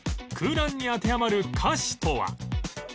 空欄に当てはまる歌詞とは？